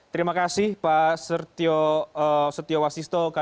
terima kasih pak setio wasisto